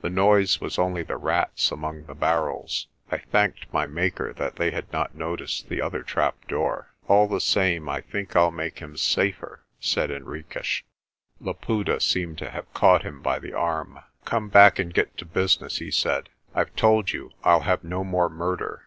"The noise was only the rats among the barrels." I thanked my Maker that they had not noticed the other trap door. "All the same I think I'll make him safer," said Henriques. Laputa seemed to have caught him by the arm. "Come back and get to business," he said. "I've told you I'll have no more murder.